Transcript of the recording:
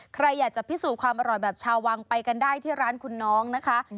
ใครอยากจะพิสูจน์ความอร่อยแบบชาววังไปกันได้ที่ร้านคุณน้องนะคะ